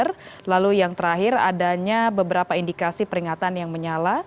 dan penggunaan stabilizer lalu yang terakhir adanya beberapa indikasi peringatan yang menyala